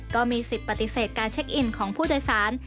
ก็มีสิทธิ์ปฏิเสธการเช็คอินของผู้โดยสาร